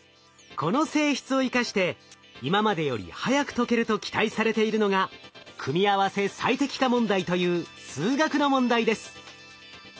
この性質を生かして今までより速く解けると期待されているのが組合せ最適化問題という数学の問題です。